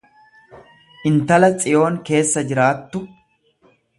intala tsiyoon keessa jiraattu